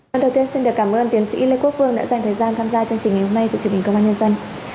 lần đầu tiên xin được cảm ơn tiến sĩ lê quốc phương đã dành thời gian tham gia chương trình ngày hôm nay của truyền hình công an nhân dân